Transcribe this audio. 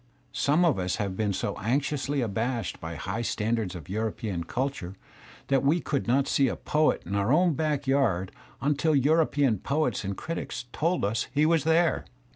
Some of us have been so anxiously abashed by high standards of European culture that we could not see a poet in our own back yard until European \ poets and critics told us he was there.